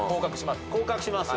降格します。